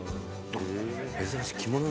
珍しい。